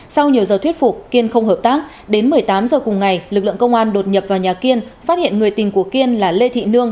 sau nhiều giờ thuyết phục kiên không hợp tác đến một mươi tám h cùng ngày lực lượng công an đột nhập vào nhà kiên phát hiện người tình của kiên là lê thị nương